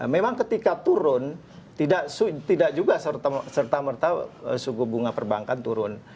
memang ketika turun tidak juga serta merta suku bunga perbankan turun